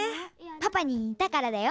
パパににたからだよ。